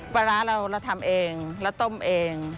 ปลาร้าเราเราทำเองเราต้มเอง